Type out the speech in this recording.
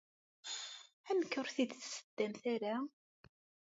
Amek ur t-id-tseddamt ara?